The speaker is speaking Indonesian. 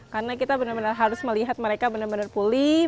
karena kita benar benar harus melihat mereka benar benar pulih